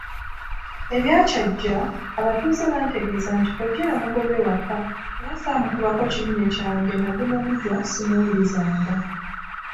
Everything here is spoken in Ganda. Ebya Kyajja, abatuuze bantegeeza nti kkojja yamugoba ewaka era ssaamukubako kimunye kyange nagunogujwa ssimuwulizanga.